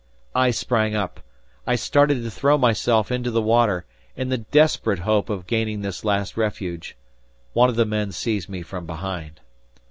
I sprang up; I started to throw myself into the water, in the desperate hope of gaining this last refuge. One of the men seized me from behind.